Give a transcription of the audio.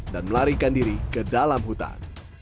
dan melarikan diri ke dalam hutan